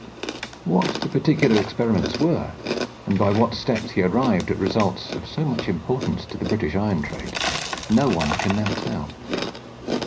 What the particular experiments were, and by what steps he arrived at results of so much importance to the British iron trade, no one can now tell.